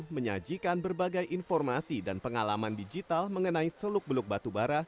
menyajikan berbagai informasi dan pengalaman digital mengenai seluk beluk batubara